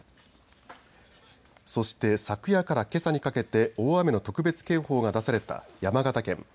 そして昨夜からけさにかけて大雨の特別警報が出された山形県。